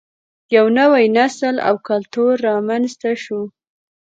یو نوی نسل او کلتور رامینځته شو